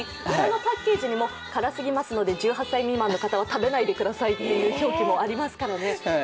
パッケージにも、辛いですので１８歳未満の方は食べないでくださいという表記がありますからね。